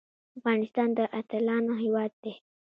افغانستان د اتلانو هیواد دی